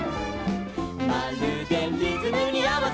「まるでリズムにあわせて」